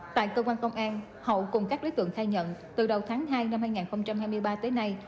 tại cơ quan công an hậu cùng các đối tượng khai nhận từ đầu tháng hai năm hai nghìn hai mươi ba tới nay